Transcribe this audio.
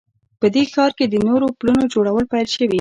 په دې ښار کې د نوو پلونو جوړول پیل شوي